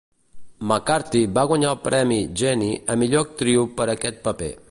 McCarthy va guanyar el premi Genie a millor actriu per aquest paper.